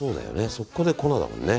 そこで粉だもんね。